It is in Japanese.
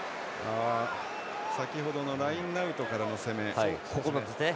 先程のラインアウトからの攻めです。